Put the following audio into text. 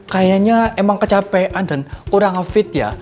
kayaknya emang kecapean dan kurang fit ya